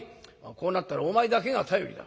こうなったらお前だけが頼りだ。